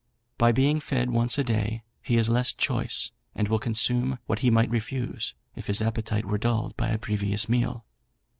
By being fed only once a day he is less choice, and will consume what he might refuse, if his appetite were dulled by a previous meal.